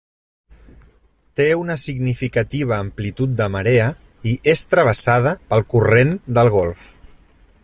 Té una significativa amplitud de marea i és travessada pel corrent del Golf.